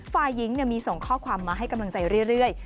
ฝ่ายหญิงมีส่งข้อความมาให้กำลังใจเรื่อย